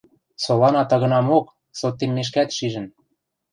Солана тагынамок, сотеммешкӓт шижӹн.